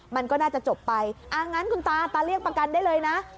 มันก็น่าจะจบไปอ่างั้นคุณตาตาเรียกประกันได้เลยนะ